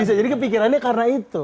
bisa jadi kepikirannya karena itu